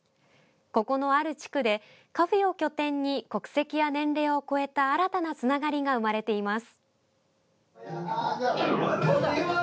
ここの、ある地区でカフェを拠点に国籍や年齢を超えた新たなつながりが生まれています。